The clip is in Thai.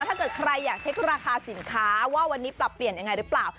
ถ้าเกิดใครอยากเช็คราคาสินค้าว่าวันนี้ปรับเปลี่ยนยังไงหรือเปล่า